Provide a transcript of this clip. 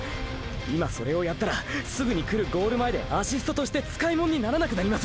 今それをやったらすぐに来るゴール前でアシストとして使いモンにならなくなります！